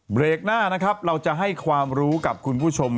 เบรกหน้านะครับเราจะให้ความรู้กับคุณผู้ชม